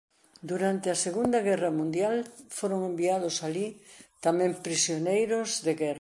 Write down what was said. Durante a Segunda Guerra Mundial foron enviados alí tamén prisioneiros de guerra.